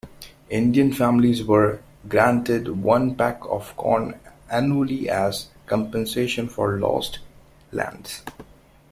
Indian families were granted one peck of corn annually as compensation for lost lands.